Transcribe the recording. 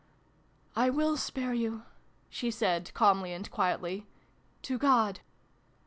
" I will spare you," she said, calmly and quietly, "to God."